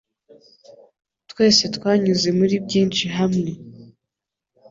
Twese twanyuze muri byinshi hamwe.